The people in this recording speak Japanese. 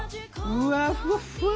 うわふわふわ。